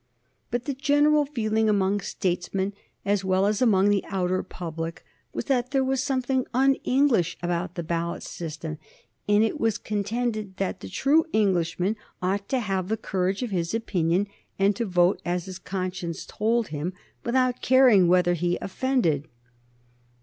But the general feeling among statesmen, as well as among the outer public, was that there was something un English about the ballot system, and it was contended that the true Englishman ought to have the courage of his opinion and to vote as his conscience told him, without caring whom he offended.